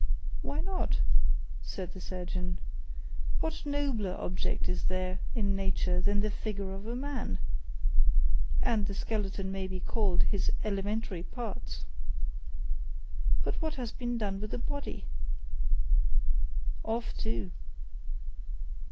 "Why not?" said the surgeon. "What nobler object is there in nature than the figure of a man—and the skeleton may be called his elementary parts. But what has been done with the body?" "Off too."